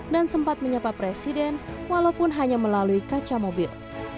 sempat menyapa presiden walaupun hanya melalui kaca mobil